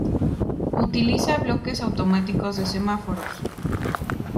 Utiliza bloques automáticos de semáforos.